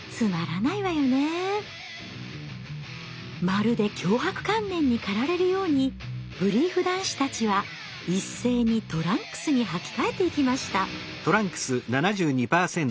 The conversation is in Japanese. まるで強迫観念にかられるようにブリーフ男子たちは一斉にトランクスにはき替えていきました。